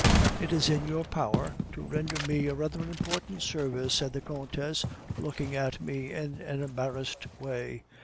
"'It is in your power to render me a rather important service,' said the countess, looking at me in an embarrassed way.